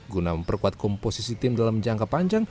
guna memperkuat komposisi tim dalam jangka panjang